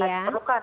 di diri ya